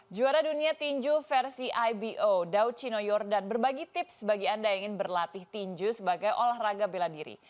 juara dunia tinju versi ibo dau chino yordan berbagi tips bagi anda yang ingin berlatih tinju sebagai olahraga bela diri